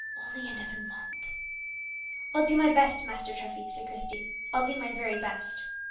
only another month!" "I'll do my best, Master Treffy," said Christie, "I'll do my very best."